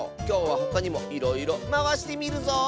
きょうはほかにもいろいろまわしてみるぞ。